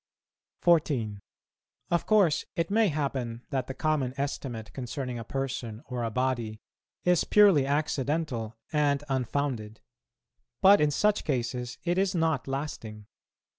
14. Of course it may happen that the common estimate concerning a person or a body is purely accidental and unfounded; but in such cases it is not lasting.